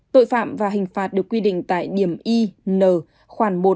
tội phạm và hình phạt được quy định tại điểm i n khoảng một